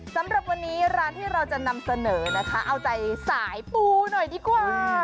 สำหรับวันนี้ร้านที่เราจะนำเสนอนะคะเอาใจสายปูหน่อยดีกว่า